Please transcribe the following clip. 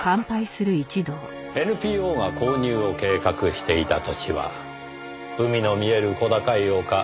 ＮＰＯが購入を計画していた土地は海の見える小高い丘。